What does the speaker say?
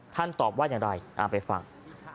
ท่านตอบว่าอย่างไรอ้าวไปฟัง